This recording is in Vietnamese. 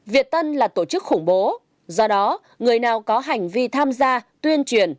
việt tân là tổ chức khủng bố do đó người nào có hành vi tham gia tuyên truyền